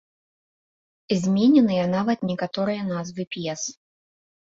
Змененыя нават некаторыя назвы п'ес.